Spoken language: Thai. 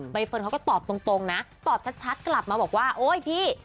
เฟิร์นเขาก็ตอบตรงนะตอบชัดกลับมาบอกว่าโอ๊ยพี่